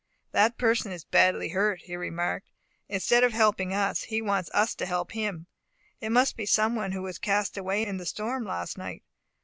"That person is badly hurt," he remarked. "Instead of helping us, he wants us to help him. It must be some one who was cast away in the storm last night.